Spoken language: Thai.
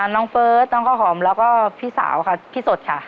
น้องเฟิร์สน้องข้าวหอมแล้วก็พี่สาวค่ะพี่สดค่ะ